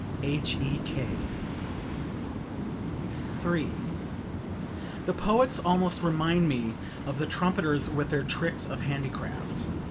H.E.K.]) 3. "The poets almost remind me of the trumpeters with their tricks of handicraft.